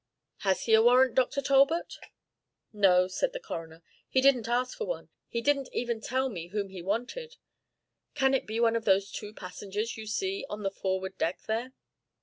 Has he a warrant, Dr. Talbot?" "No," said the coroner, "he didn't ask for one. He didn't even tell me whom he wanted. Can it be one of those two passengers you see on the forward deck, there?"